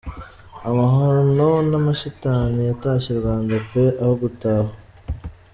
Amahano n’Amashitani yatashye i Rwanda peeee, aho gutahwa